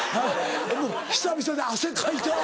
もう久々で汗かいたわ。